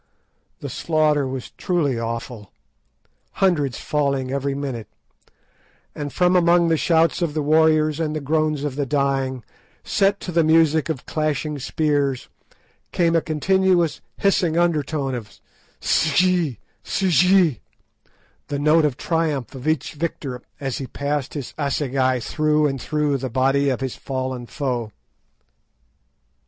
The slaughter was truly awful, hundreds falling every minute; and from among the shouts of the warriors and the groans of the dying, set to the music of clashing spears, came a continuous hissing undertone of "S'gee, s'gee," the note of triumph of each victor as he passed his assegai through and through the body of his fallen foe.